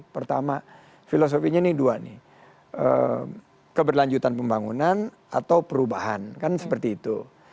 pertama filosofinya ini dua nih keberlanjutan pembangunan atau perubahan kan seperti itu